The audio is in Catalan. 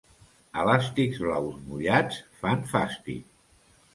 Elàstics blaus mullats fan fàstic.